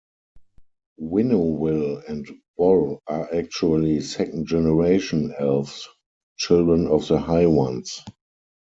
Winnowill and Voll are actually "second generation" elves, children of the High Ones.